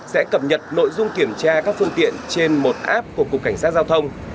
sẽ cập nhật nội dung kiểm tra các phương tiện trên một app của cục cảnh sát giao thông